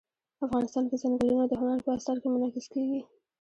افغانستان کې ځنګلونه د هنر په اثار کې منعکس کېږي.